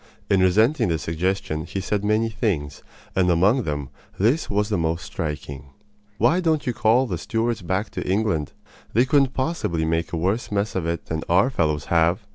In resenting the suggestion he said many things, and among them this was the most striking: "Why don't you call the Stuarts back to England? They couldn't possibly make a worse mess of it than our fellows have!"